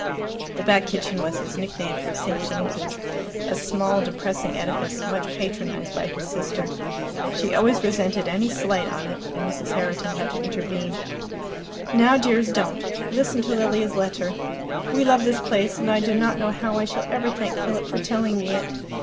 The Back Kitchen was his nickname for St. James's, a small depressing edifice much patronized by his sister. She always resented any slight on it, and Mrs. Herriton had to intervene. "Now, dears, don't. Listen to Lilia's letter. 'We love this place, and I do not know how I shall ever thank Philip for telling me it.